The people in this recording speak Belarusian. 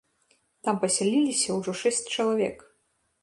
Там пасяліліся ўжо шэсць чалавек.